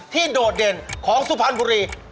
โดดเด่นของสุพรรณบุรี